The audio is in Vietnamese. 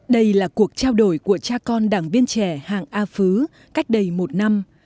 đây là cuộc trao đổi của cha con đảng viên trẻ hàng a phứ cách đây một năm